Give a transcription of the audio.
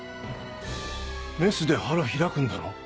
メスで腹開くんだろ？